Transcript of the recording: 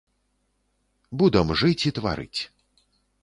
Будам жыць і тварыць.